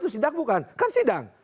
tidak bukan kan sidang